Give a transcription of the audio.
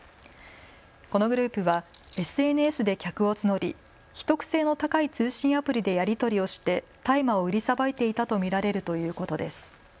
このグループはＳＮＳで客を募り秘匿性の高い通信アプリでやり取りをして大麻を売りさばいていたと見られるということです。